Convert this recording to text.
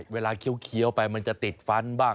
เคี้ยวไปมันจะติดฟันบ้าง